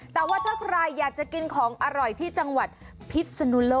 แต่ว่าถ้าใครอยากจะกินของอร่อยที่จังหวัดพิษนุโลก